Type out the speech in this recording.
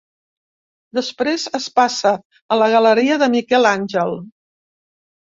Després es passa a la galeria de Miquel Àngel.